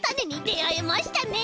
であえましたね！